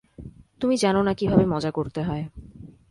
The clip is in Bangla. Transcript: তুমি জানো না কীভাবে মজা করতে হয়।